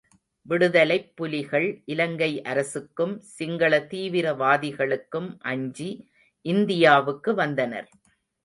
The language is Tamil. விடுதலைப்புலிகள், இலங்கை அரசுக்கும் சிங்கள தீவிர வாதிகளுக்கும் அஞ்சி இந்தியாவுக்கு வந்தனர்.